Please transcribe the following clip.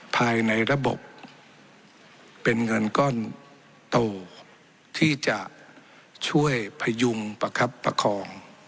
ภายในระบบเป็นเงินก้อนโตที่จะช่วยพยุงประคับประคอง